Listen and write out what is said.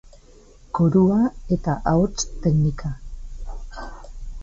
Korua eta Ahots Teknika